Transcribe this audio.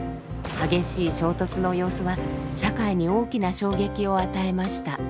激しい衝突の様子は社会に大きな衝撃を与えました。